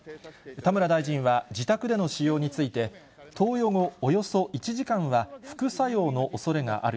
田村大臣は、自宅での使用について、投与後およそ１時間は副作用のおそれがある。